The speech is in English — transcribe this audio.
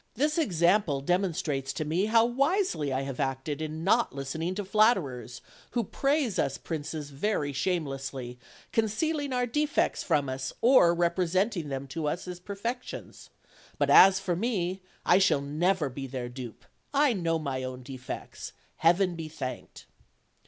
This example demonstrates to me how wisely I have acted in not listening to flatterers, who praise us princes very shamelessly, concealing our defects from us or representing them to us as perfec tions: but as for me, I shall never be their dupe; I know my own defects, Heaven be thanked."